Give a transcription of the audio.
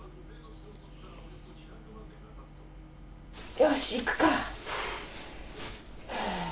よしいくか。